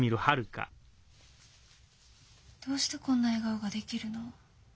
どうしてこんな笑顔ができるの？